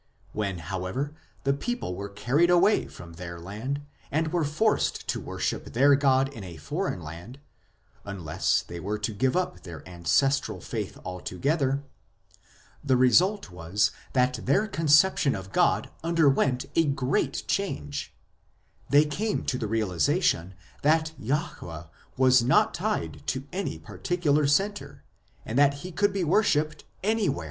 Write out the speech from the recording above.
When, however, the people were carried away from their land and were forced to worship their God in a foreign land unless they were to give up their ancestral faith alto gether the result was that their conception of God under went a great change ; they came to the realization that Jahwe was not tied to any particular centre, and that He could be worshipped anywhere.